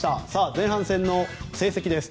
前半戦の成績です。